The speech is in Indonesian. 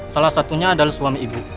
salah satunya adalah suami ibu